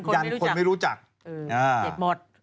ยันคนไม่รู้จักเก็บหมด